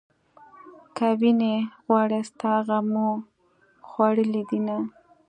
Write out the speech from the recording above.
که وينې غواړې ستا غمو خوړلې دينه